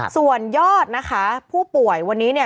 ส่วนยอดนะคะผู้ป่วยวันนี้เนี่ย